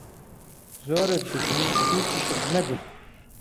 زۆرت گوت و هیچیشت نەگوت!